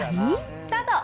スタート。